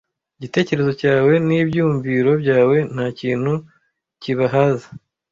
igitekerezo cyawe n'ibyumviro byawe ntakintu kibahaza